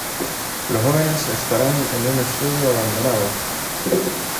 Los jóvenes estarán en un estudio abandonado.